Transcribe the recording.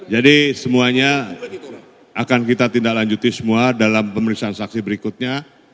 jadi semuanya akan kita tindaklanjuti semua dalam pemeriksaan saksi berikutnya